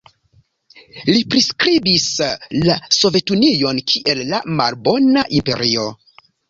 Li priskribis la Sovetunion kiel "la malbona imperio".